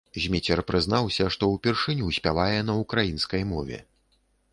Зміцер прызнаўся, што ўпершыню спявае на ўкраінскай мове.